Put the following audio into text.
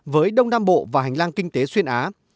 với đông nam bộ và hành lang kinh tế xuyên á